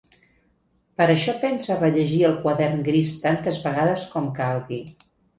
Per això pensa rellegir el quadern gris tantes vegades com calgui.